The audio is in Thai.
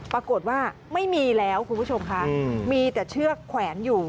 ปรากฏว่าไม่มีแล้วคุณผู้ชมค่ะมีแต่เชือกแขวนอยู่